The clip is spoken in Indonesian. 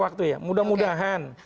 waktu ya mudah mudahan